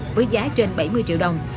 với giá trên bảy mươi triệu đồng